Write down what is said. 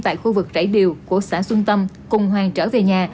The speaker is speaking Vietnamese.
tại khu vực trãi điều của xã xuân tâm cùng hoàng trở về nhà